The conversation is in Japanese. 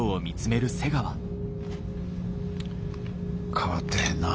変わってへんなぁ。